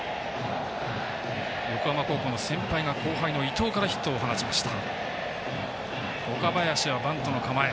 横浜高校の先輩が後輩の伊藤からヒットを放ちました。